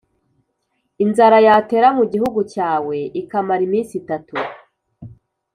inzara yatera mu gihugu cyawe ikamara iminsi itatu